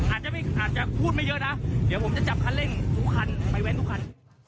อาจจะพูดไม่เยอะนะเดี๋ยวผมจะจับคันเร่งทุกคันไปแว้นทุกคัน